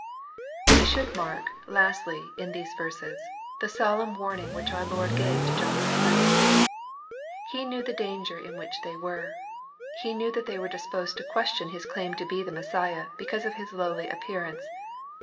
We should mark, lastly, in these verses, the solemn warning which our Lord gave to John's disciples. He knew the danger in which they were. He knew that they were disposed to question His claim to be the Mes siah, because of His lowly appearance.